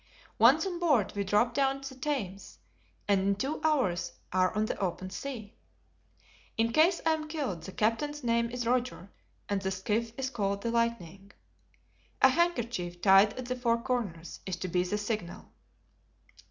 Once on board we drop down the Thames and in two hours are on the open sea. In case I am killed, the captain's name is Roger and the skiff is called the Lightning. A handkerchief, tied at the four corners, is to be the signal."